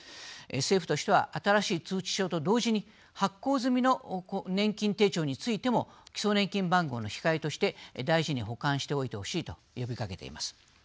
政府としては新しい通知書と同時に発行済みの年金手帳についても基礎年金番号の控えとして大事に保管しておいてほしいと呼びかけています。